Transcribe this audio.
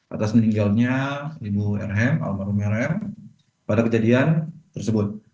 atas meninggalnya ibu rhm almarhum rr pada kejadian tersebut